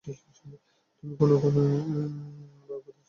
তুমি কোনা কোনি ভাবে তার সাথে থাকো।